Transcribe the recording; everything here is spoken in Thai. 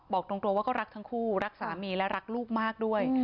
บอกตรงว่าก็รักทั้งคู่รักสามีและรักลูกมากด้วย